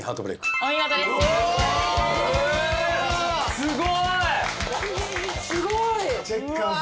すごい！